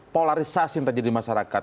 polarisasi yang terjadi di masyarakat